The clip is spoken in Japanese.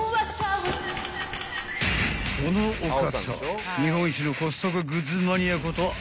［このお方］